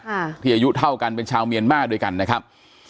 ค่ะที่อายุเท่ากันเป็นชาวเมียนมาร์ด้วยกันนะครับ